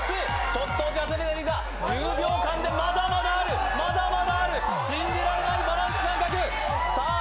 ちょっと１０秒間でまだまだあるまだまだある信じられないバランス感覚さあ